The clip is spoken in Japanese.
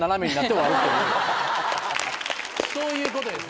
そういうことです。